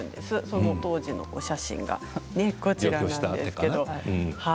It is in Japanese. その当時のお写真がこちらです。